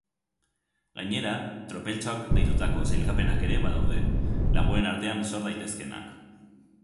Gainera, tropeltxoak deitutako sailkapenak ere badaude, lagunen artean sor daitezkeenak.